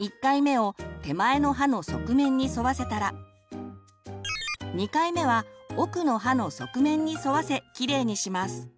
１回目を手前の歯の側面に沿わせたら２回目は奥の歯の側面に沿わせきれいにします。